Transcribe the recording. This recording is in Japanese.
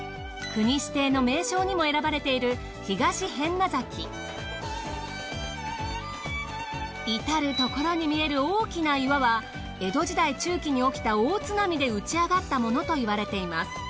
国指定の名勝にも選ばれている至るところに見える大きな岩は江戸時代中期に起きた大津波で打ちあがったものといわれています。